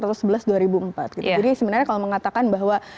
jadi sebenarnya kalau mengatakan bahwa